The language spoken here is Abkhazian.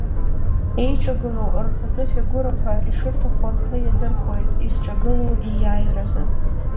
Еиҿагыло рхатәы фигурақәа ишырҭаху рхы иадырхәоит изҿагылоу ииаиразы.